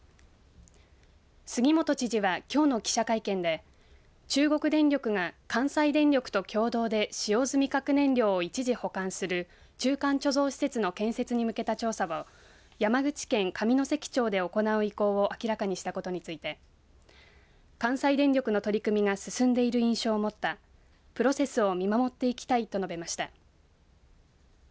杉本知事はきょうの記者会見で中国電力が関西電力と共同で使用済み核燃料を一時保管する中間貯蔵施設の建設に向けた調査を山口県上関町で行う意向を明らかにしたことについて関西電力の取り組みが進んでいる印象を持ったプロセスを見守っていきたいと述べました。